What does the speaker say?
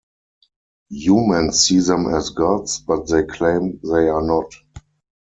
Humans see them as gods, but they claim they are not.